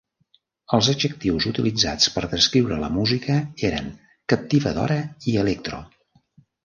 Els adjectius utilitzats per descriure la música eren "captivadora" i "electro".